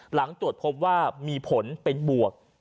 หลังตรวจพบว่ามีผลเป็นบวก